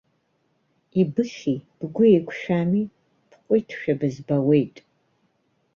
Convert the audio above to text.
Ибыхьи, бгәы еиқәшәами, бҟәиҭшәа бызбауеит?